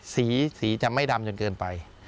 สีสีจะไม่ดำจนเกินไป